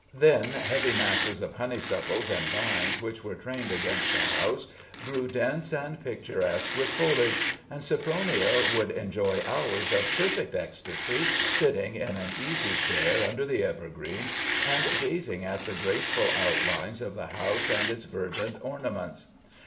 Then heavy masses of honeysuckles and vines which were trained against the house, grew dense and picturesque with foliage, and Sophronia would enjoy hours of perfect ecstasy, sitting in an easy chair under the evergreens and gazing at the graceful outlines of the house and its verdant ornaments.